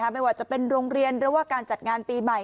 ไม่ว่าจะเป็นโรงเรียนหรือว่าการจัดงานปีใหม่